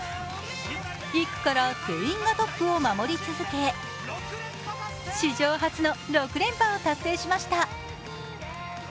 １区から全員がトップを守り続け、史上初の６連覇を達成しました。